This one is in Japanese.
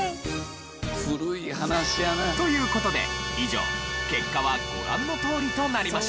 古い話やな。という事で以上結果はご覧のとおりとなりました。